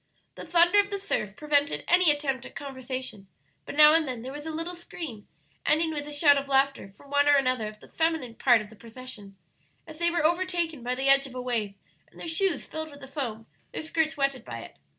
The thunder of the surf prevented any attempt at conversation, but now and then there was a little scream, ending with a shout of laughter from one or another of the feminine part of the procession, as they were overtaken by the edge of a wave and their shoes filled with the foam, their skirts wetted by it.